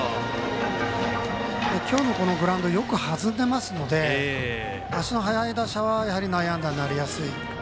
今日のこのグラウンドよく弾んでいますので足の速い打者は内野安打になりやすい。